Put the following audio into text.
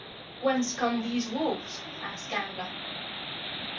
"Whence come these wolves?" asked Gangler.